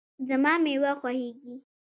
زما مېوه خوښیږي